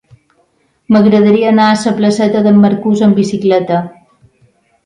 M'agradaria anar a la placeta d'en Marcús amb bicicleta.